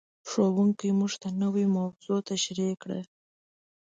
ښوونکی موږ ته نوې موضوع تشریح کړه.